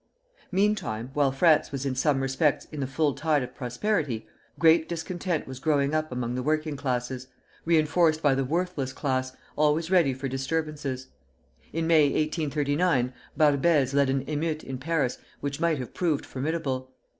Meantime, while France was in some respects in the full tide of prosperity, great discontent was growing up among the working classes, reinforced by the worthless class, always ready for disturbances. In May, 1839, Barbès led an émeute in Paris which might have proved formidable.